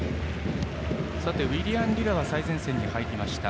ウィリアン・リラは最前線に入りました。